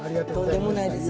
とんでもないです。